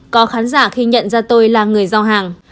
có khán giả khi nhận ra tôi là người giao hàng